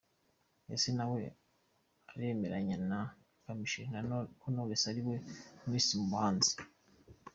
Ese na we uremeranya na Kamichi ko Knowless ari we Miss mu bahanzi?.